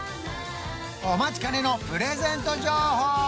お待ちかねのプレゼント情報